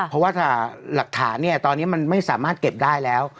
เพราะว่าถ้าหลักฐานเนี่ยตอนนี้มันไม่สามารถเก็บได้แล้ว